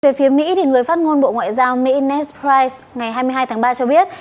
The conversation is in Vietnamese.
về phía mỹ người phát ngôn bộ ngoại giao mỹ nestrise ngày hai mươi hai tháng ba cho biết